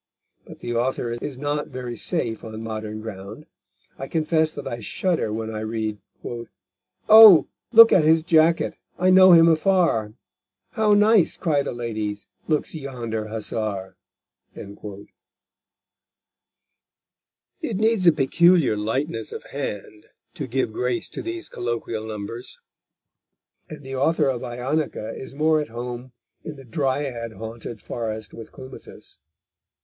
But the author is not very safe on modern ground. I confess that I shudder when I read: "Oh, look at his jacket, I know him afar; How nice," cry the ladies, "looks yonder Hussar!" It needs a peculiar lightness of hand to give grace to these colloquial numbers, and the author of Ionica is more at home in the dryad haunted forest with Comatas.